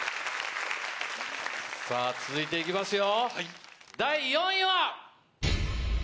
さぁ続いて行きますよ。